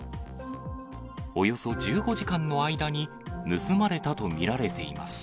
およそ１５時間の間に盗まれたと見られています。